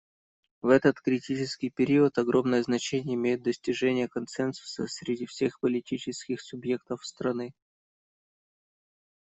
В этот критический период огромное значение имеет достижение консенсуса среди всех политических субъектов страны.